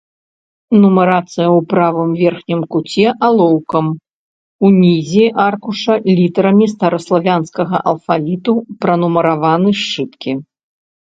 Нумарацыя ў правым верхнім куце алоўкам, ўнізе аркуша літарамі стараславянскага алфавіту пранумараваныя сшыткі.